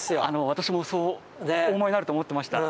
私もそうお思いになると思っていました。